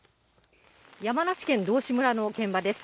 山梨県道志村の現場です。